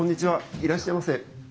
いらっしゃいませ。